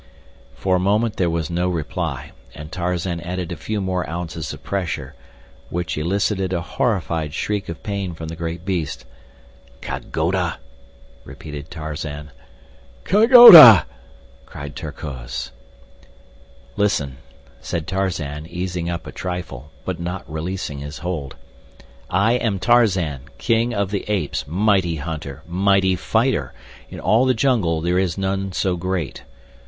For a moment there was no reply, and Tarzan added a few more ounces of pressure, which elicited a horrified shriek of pain from the great beast. "Ka goda?" repeated Tarzan. "Ka goda!" cried Terkoz. "Listen," said Tarzan, easing up a trifle, but not releasing his hold. "I am Tarzan, King of the Apes, mighty hunter, mighty fighter. In all the jungle there is none so great.